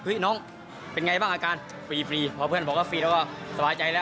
น้องเป็นไงบ้างอาการฟรีพอเพื่อนบอกว่าฟรีแล้วก็สบายใจแล้ว